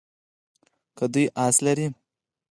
که دوی آس لرلو.